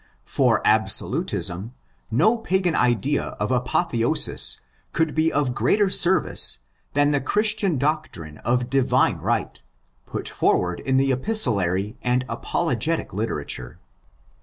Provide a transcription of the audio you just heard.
For absolutism, no pagan idea of apotheosis could be of greater service than the Christian doctrine of divine right, put forward in the epistolary and apologetic literature.